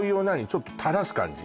ちょっとたらす感じ？